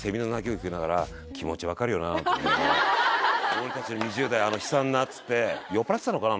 「俺達の２０代悲惨な」っつって酔っぱらってたのかな？